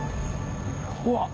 うわっ！